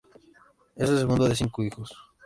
Es el segundo de cinco hijos.